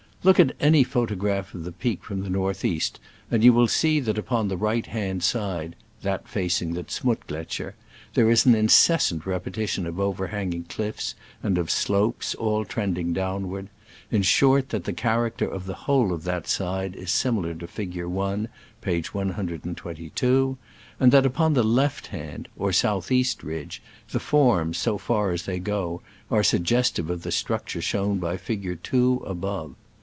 Look at any photograph of the peak from the north east, and you will see that upon the right hand side (that facing the Z'Muttgletscher) there is an incessant repetition of over hanging cliffs and of slopes, all trending downward ; in short, that the character of the whole of that side is similar to Fig. i , p. 122 ; and that upon the left hand (or south east) ridge the forms, so far as they go, are suggestive of the structure shown by Fig. 2, above.